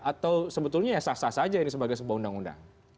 atau sebetulnya ya sah sah saja ini sebagai sebuah undang undang